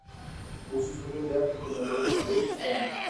Museo Español de Arte Contemporáneo, Madrid, España.